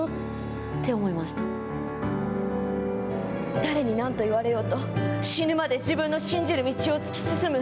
誰になんと言われようと、死ぬまで自分の信じる道を突き進む。